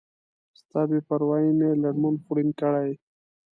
ستا بی پروایي می لړمون خوړین کړی